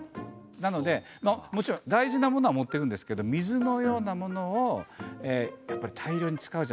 なのでもちろん大事なものは持って行くんですけど水のようなものをやっぱり大量に使うじゃないですか。